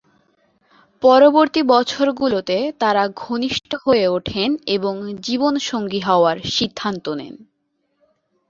পরবর্তী বছরগুলোতে তাঁরা ঘনিষ্ঠ হয়ে ওঠেন এবং জীবন সঙ্গী হওয়ার সিদ্ধান্ত নেন।